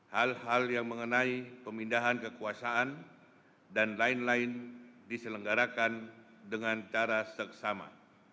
hal hal yang mengenai pemindahan kekuasaan dan lain lain diselenggarakan dengan cara seksama